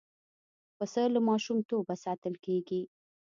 پسه له ماشومتوبه ساتل کېږي.